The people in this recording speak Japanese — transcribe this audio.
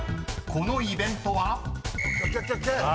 ［このイベントは？］